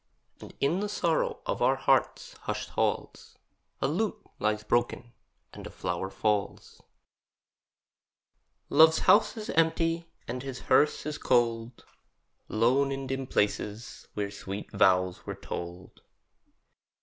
And in the sorrow of our hearts' hushed halls A lute lies broken and a flower falls; Love's house is empty and his hearth is cold. Lone in dim places, where sweet vows were told.